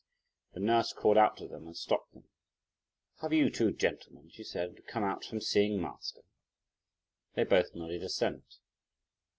The nurse called out to them and stopped them, "Have you two gentlemen," she said, "come out from seeing master?" They both nodded assent.